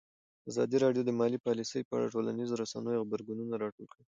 ازادي راډیو د مالي پالیسي په اړه د ټولنیزو رسنیو غبرګونونه راټول کړي.